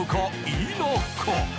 否か？